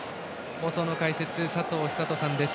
放送の解説、佐藤寿人さんです。